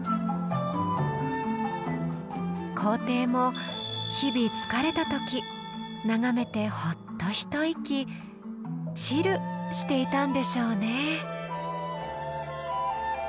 皇帝も日々疲れた時眺めてほっと一息「チル」していたんでしょうね。